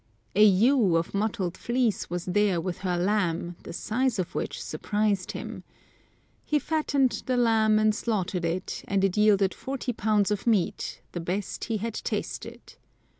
An ewe of mottled fleece was there with her Iamb, the size of which surprised him. He fattened the Iamb and slaughtered it, and it yielded forty pounds of meat, the best he had tasted.